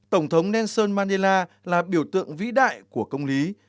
tổng thống nelson mandela là biểu tượng vĩ đại của công lý